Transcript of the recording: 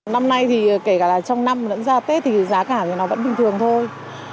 năm nay thì kể cả là trong năm lẫn ra tết thì giá cả thì nó vẫn bình thường thôi